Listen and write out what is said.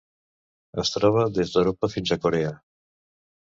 Es troba des d'Europa fins a Corea.